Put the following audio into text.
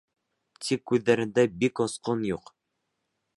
Тик күҙҙәрендә бик осҡон юҡ.